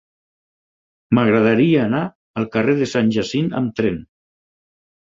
M'agradaria anar al carrer de Sant Jacint amb tren.